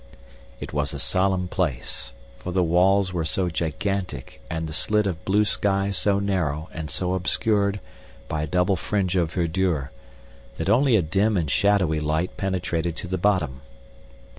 It was a solemn place, for the walls were so gigantic and the slit of blue sky so narrow and so obscured by a double fringe of verdure, that only a dim and shadowy light penetrated to the bottom.